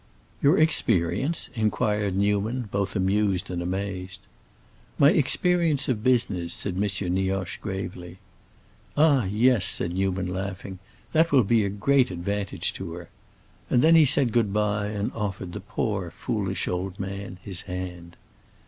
"Your experience?" inquired Newman, both amused and amazed. "My experience of business," said M. Nioche, gravely. "Ah, yes," said Newman, laughing, "that will be a great advantage to her!" And then he said good bye, and offered the poor, foolish old man his hand.